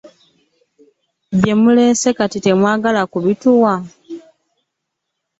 Bye muleese ate temwagala kubituwa.